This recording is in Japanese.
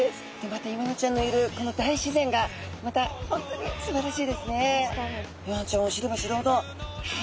またイワナちゃんのいるこの大自然がまた本当にすばらしいですね。